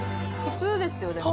普通ですよでも。